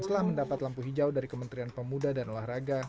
setelah mendapat lampu hijau dari kementerian pemuda dan olahraga